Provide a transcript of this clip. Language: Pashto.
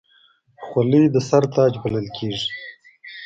خولۍ د سر تاج بلل کېږي.